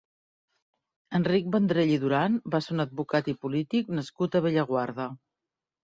Enric Vendrell i Duran va ser un advocat i polític nascut a Bellaguarda.